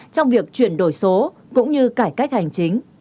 trong việc chuyển đổi số cũng như cải cách hành chính